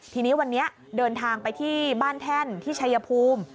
ทีนี้วันนี้เดินทางไปที่บ้านแท่นที่ชัยภูมิ